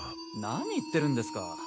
何言ってるんですか？